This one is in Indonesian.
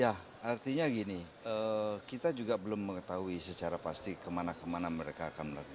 ya artinya gini kita juga belum mengetahui secara pasti kemana kemana mereka akan melakukan